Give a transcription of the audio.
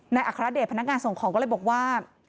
อัครเดชพนักงานส่งของก็เลยบอกว่า